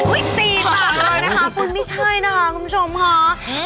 อุ๊ยตีต่อมานะคะปุ๊ยไม่ใช่นะคะคุณผู้ชมค่ะ